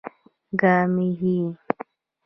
ګامېښې